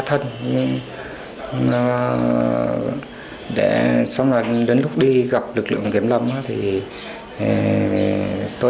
phạm ngọc tuấn bị chém trúng gò má phải